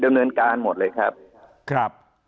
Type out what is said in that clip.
เดินเนินการหมดเลยครับ